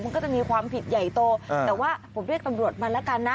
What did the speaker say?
มันก็จะมีความผิดใหญ่โตแต่ว่าผมเรียกตำรวจมาแล้วกันนะ